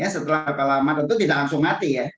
setelah berapa lama tentu tidak langsung mati ya